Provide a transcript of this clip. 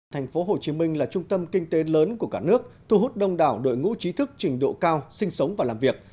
thành phố hồ chí minh là trung tâm kinh tế lớn của cả nước thu hút đông đảo đội ngũ trí thức trình độ cao sinh sống và làm việc